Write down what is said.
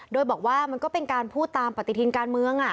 โดยบอกว่ามันก็เป็นการพูดตามปฏิทินการเมือง